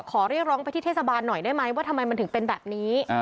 ขอเรียกร้องไปที่เทศบาลหน่อยได้ไหมว่าทำไมมันถึงเป็นแบบนี้